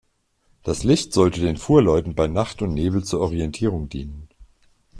Das Licht sollte den Fuhrleuten bei Nacht und Nebel zur Orientierung dienen.